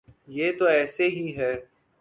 یہ تو ایسے ہی ہے۔